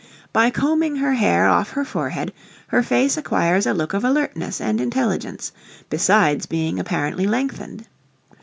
By combing her hair off her forehead her face acquires a look of alertness and intelligence, besides being apparently lengthened.